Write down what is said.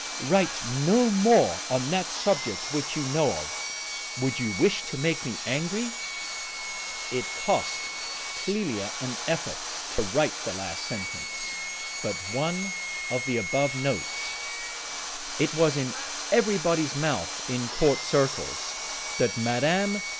Write no more on that subject which you know of: would you wish to make me angry?" It cost Clélia an effort to write the last sentence but one of the above note. It was in everybody's mouth in court circles that Mme.